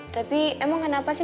tapi emang kenapa sih